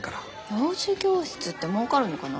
幼児教室ってもうかるのかな？